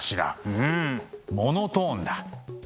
うんモノトーンだ。